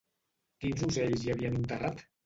Quins ocells hi havia en un terrat?